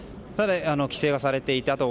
規制がされていたと。